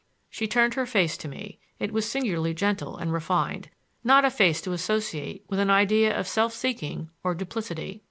She turned her face to me,—it was singularly gentle and refined,—not a face to associate with an idea of self seeking or duplicity.